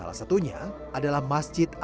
salah satunya ada masjid di jawa tenggara